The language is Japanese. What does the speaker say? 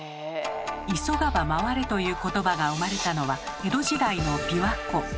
「急がば回れ」という言葉が生まれたのは江戸時代の琵琶湖。